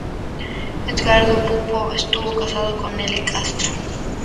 Edgardo Pupo estuvo casado con Nelly Castro.